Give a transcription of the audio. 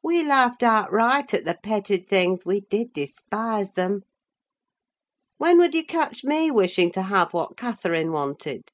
We laughed outright at the petted things; we did despise them! When would you catch me wishing to have what Catherine wanted?